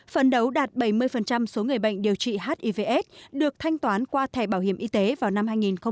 phần đầu đạt bảy mươi số người bệnh điều trị hiv aids được thanh toán qua thẻ bảo hiểm y tế vào năm hai nghìn hai mươi